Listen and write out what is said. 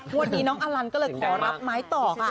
วันนี้น้องอลันก็เลยขอรับไม้ต่อค่ะ